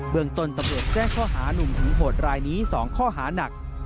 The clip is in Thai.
เบื้องต้นตะเบิดแก้ข้อหานุ่มถึงโหดรายนี้สองข้อหานัก